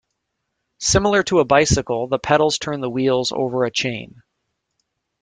Similar to a bicycle, the pedals turn the wheels over a chain.